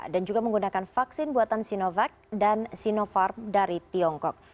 dan juga menggunakan vaksin buatan sinovac dan sinovac dari tiongkok